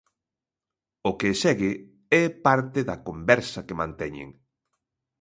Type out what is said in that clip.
O que segue é parte da conversa que manteñen.